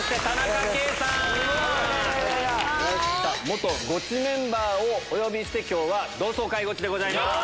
元ゴチメンバーをお呼びして今日は同窓会ゴチでございます。